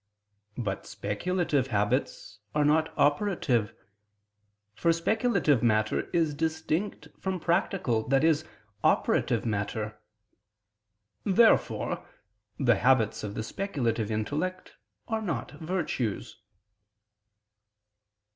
But speculative habits are not operative: for speculative matter is distinct from practical, i.e. operative matter. Therefore the habits of the speculative intellect are not virtues.